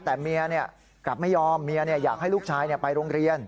แต่เมียกลับไม่ยอมเมียอยากให้ลูกชายไปโรงเรียน